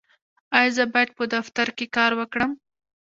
ایا زه باید په دفتر کې کار وکړم؟